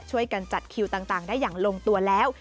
ช่วยกันจัดคิวต่างได้อย่างลงตัวแล้ว